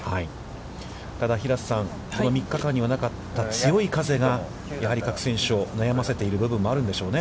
ただ、平瀬さん、この３日間にはなかった強い風がやはり各選手を悩ませている部分もあるんでしょうね。